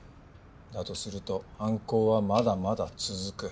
だとすると犯行はまだまだ続く。